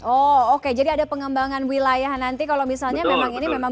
oh oke jadi ada pengembangan wilayah nanti kalau misalnya memang ini memang